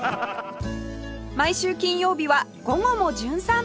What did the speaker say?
毎週金曜日は『午後もじゅん散歩』